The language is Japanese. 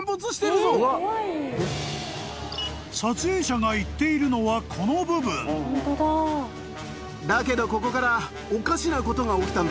［撮影者が言っているのはこの部分］だけど。